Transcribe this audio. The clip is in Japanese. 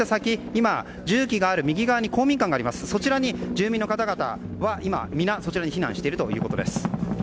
今、重機がある右側に公民館がありますが住民の方々はそちらに避難しているということです。